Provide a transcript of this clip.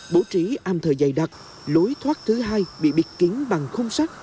bổ trí am thờ dày đặc lối thoát thứ hai bị biệt kiến bằng không sát